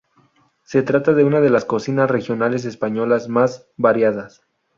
Se trata de una de las cocinas regionales españolas más variadas.